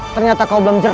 ternyata kau belum jerah